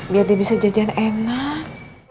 biar dia bisa jajanan enak